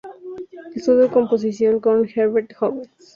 Estudió composición con Herbert Howells.